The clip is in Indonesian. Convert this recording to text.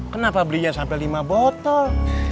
kenapa belinya sampai lima botol